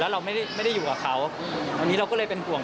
เราไม่ได้อยู่กับเขาอันนี้เราก็เลยเป็นห่วง